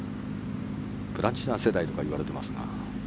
プラチナ世代とか言われていますが。